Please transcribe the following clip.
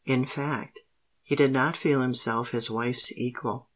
In fact, he did not feel himself his wife's equal.